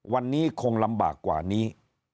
วันนี้คงลำบากกว่านี้